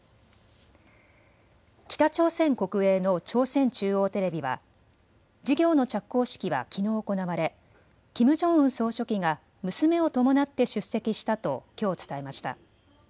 北朝鮮国営の朝鮮中央テレビは事業の着工式はきのう行われキム・ジョンウン総書記が娘を伴って出席したときょう伝えました。